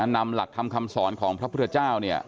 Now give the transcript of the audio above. นำหลักธรรมคำสอนของพระพุทธเจ้าเนี่ย